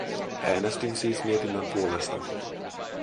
Äänestin siis mietinnön puolesta.